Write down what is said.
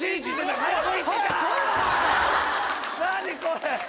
何これ！？